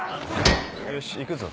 よし行くぞ。